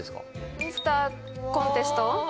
ミスターコンテストうわ